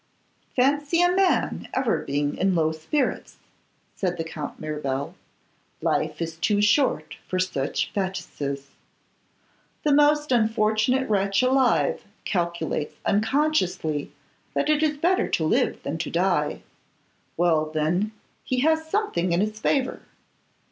'Fancy a man ever being in low spirits,' said the Count Mirabel. 'Life is too short for such bêtises. The most unfortunate wretch alive calculates unconsciously that it is better to live than to die. Well, then, he has something in his favour.